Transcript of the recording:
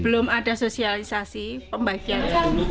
belum ada sosialisasi pembagian